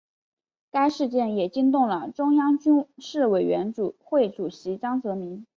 该事件也惊动了中央军事委员会主席江泽民。